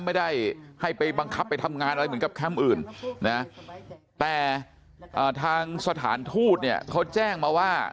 ไม่ได้ให้ไปบังคับไปทำงานอะไรเหมือนกับแคมป์อื่นนะแต่ทางสถานทูตเนี่ยเขาแจ้งมาว่า